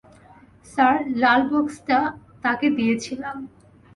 Sir, লাল বাক্সটা, - তাকে দিয়েছিলাম।